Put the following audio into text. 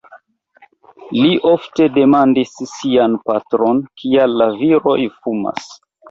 Li ofte demandis sian patron, kial la viroj fumas.